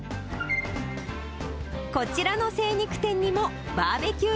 こちらの精肉店にもバーベキュー